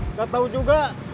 nggak tahu juga